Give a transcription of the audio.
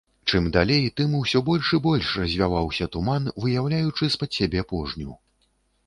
Чым далей, тым усё больш і больш развяваўся туман, выяўляючы з-пад сябе пожню.